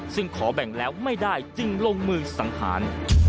ซึ่งขอแบ่งแล้วไม่ได้จึงลงมือสังหาร